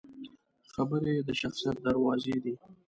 خبرې د شخصیت دروازې دي